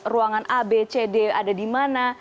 ruangan a b c d ada di mana